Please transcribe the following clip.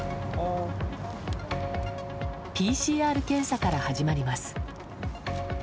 ＰＣＲ検査から始まります。